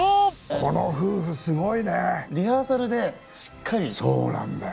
この夫婦すごいねリハーサルでしっかりそうなんだよ